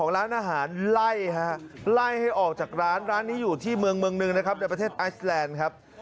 ไล่ให้ออกจากร้านร้านนี้อยู่ที่เมืองนึงนะครับในประเทศไอซิแลนด์ครับ